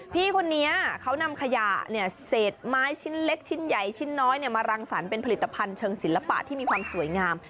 พี่คนนี้เขานำขยะเศษไม้ชิ้นเล็กชิ้นใหญ่ชิ้นน้อยมารังสรรคเป็นผลิตภัณฑ์เชิงศิลปะที่มีความสวยงาม